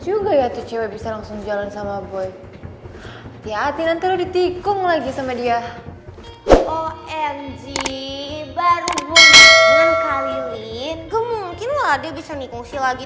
udah udah udah guys jangan berisik gak enak beri terima kasih udah nolongin gua udah belok sini